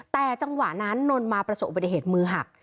แต่จังหวะนั้นนนมาประสบอุบัติเหตุมือหัก